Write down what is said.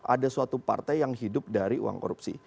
ada suatu partai yang hidup dari uang korupsi